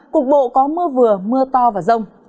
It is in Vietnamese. cục bộ có mưa vừa mưa to và rông